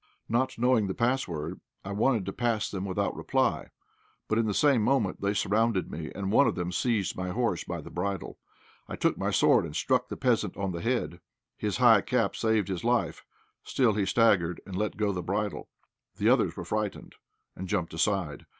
Not knowing the pass word, I wanted to pass them without reply, but in the same moment they surrounded me, and one of them seized my horse by the bridle. I drew my sword, and struck the peasant on the head. His high cap saved his life; still, he staggered, and let go the bridle. The others were frightened, and jumped aside.